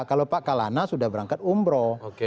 kalau pak kalana sudah berangkat umroh